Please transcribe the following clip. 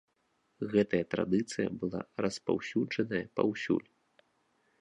Гэтая традыцыя была распаўсюджаная паўсюль.